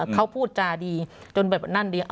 เขาพูดจาดีจนแบบนั่นดี